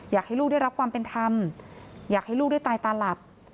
อยากให้ลูกได้รับความเป็นธรรมอยากให้ลูกได้ตายตาหลับ